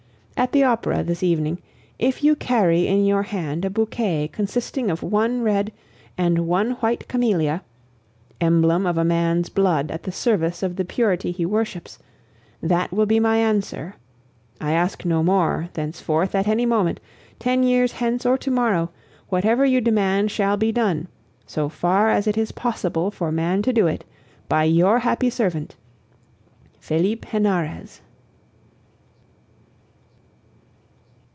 At the opera this evening, if you carry in your hand a bouquet consisting of one red and one white camellia emblem of a man's blood at the service of the purity he worships that will be my answer. I ask no more; thenceforth, at any moment, ten years hence or to morrow, whatever you demand shall be done, so far as it is possible for man to do it, by your happy servant, "FELIPE HENAREZ."